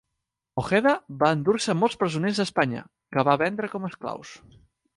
Ojeda va endur-se molts presoners a Espanya, que va vendre com a esclaus.